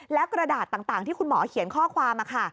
แล้วกระดาษต่างที่คุณหมอเขียนข้อความค่ะ